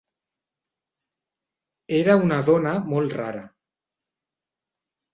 Era una dona molt rara.